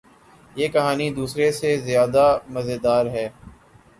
یہ کہانی دوسرے سے زیادو مزیدار ہے